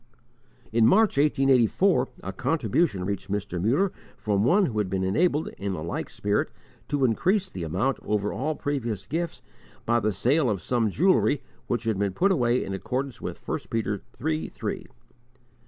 In March, 1884, a contribution reached Mr. Muller from one who had been enabled in a like spirit to increase the amount over all previous gifts by the sale of some jewelry which had been put away in accordance with 1 Peter iii. 3.